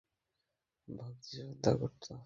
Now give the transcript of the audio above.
অগ্নিপূজকরা আগুনের ন্যায় তারও পূজা ও ভক্তি-শ্রদ্ধা করত।